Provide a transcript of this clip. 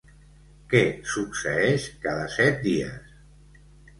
Que succeeix cada set dies.